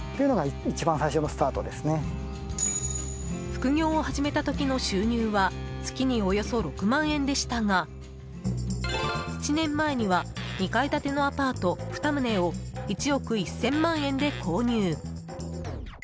副業を始めた時の収入は月におよそ６万円でしたが７年前には２階建てのアパート２棟を１億１０００万円で購入。